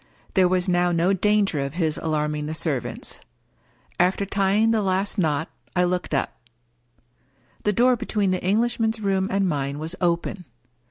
There was now no danger of his alarming the servants. After tying the last knot, I looked up. The door between the Englishman's room and mine was open.